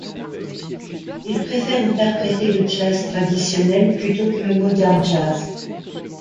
Il préfère interpréter le jazz traditionnel plutôt que le modern jazz.